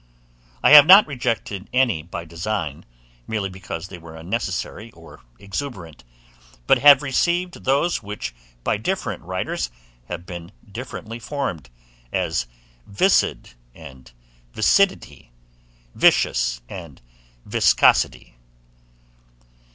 I have not rejected any by design, merely because they were unnecessary or exuberant; but have received those which by different writers have been differently formed, as viscid, and viscidity, viscous, and viscosity.